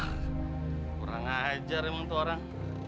wah kurang ajar emang itu orang